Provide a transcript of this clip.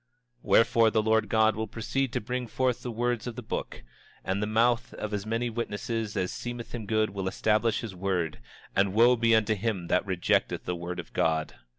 27:14 Wherefore, the Lord God will proceed to bring forth the words of the book; and in the mouth of as many witnesses as seemeth him good will he establish his word; and wo be unto him that rejecteth the word of God!